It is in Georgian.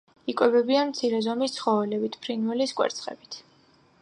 იკვებებიან მცირე ზომის ცხოველებით, ფრინველის კვერცხებით.